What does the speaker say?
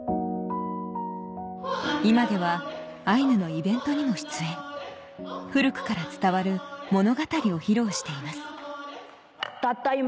今ではアイヌのイベントにも出演古くから伝わる物語を披露していますたった